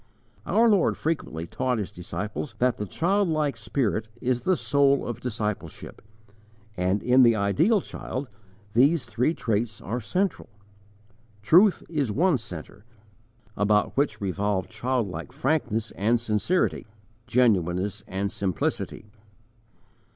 _ Our Lord frequently taught His disciples that the childlike spirit is the soul of discipleship, and in the ideal child these three traits are central. Truth is one centre, about which revolve childlike frankness and sincerity, genuineness and simplicity.